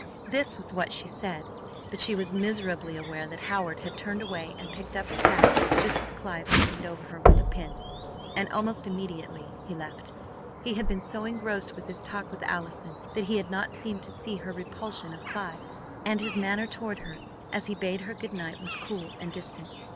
This was what she said, but she was miserably aware that Howard had turned away and picked up his hat just as Clive had leaned over her with the pin, and almost immediately he left. He had been so engrossed with his talk with Allison that he had not seemed to see her repulsion of Clive, and his manner toward her as he bade her good night was cool and distant.